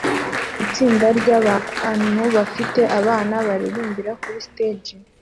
Itsinda ryabantu bafite abana baririmbira kuri stage